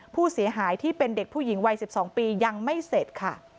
ผู้เสียหายที่เป็นเด็กผู้หญิงวัย๑๒ปียังไม่เสร็จค่ะ